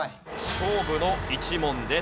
勝負の１問です。